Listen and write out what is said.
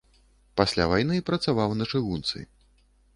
Пасля вайны працаваў на чыгунцы.